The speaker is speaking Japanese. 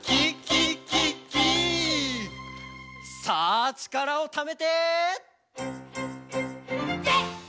「さあちからをためて！」